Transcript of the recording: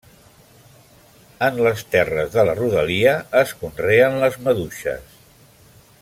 En les terres de la rodalia es conrea les maduixes.